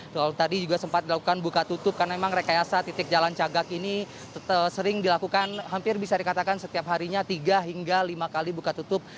betul tadi juga sempat dilakukan buka tutup karena memang rekayasa titik jalan cagak ini sering dilakukan hampir bisa dikatakan setiap harinya tiga hingga lima kali buka tutup